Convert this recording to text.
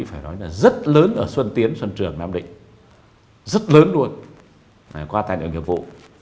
phải nói là rất lớn ở xuân tiến xuân trường nam định rất lớn luôn phải qua tài liệu nghiệp vụ